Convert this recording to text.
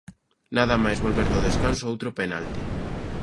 Nada máis volver do descanso outro penalti.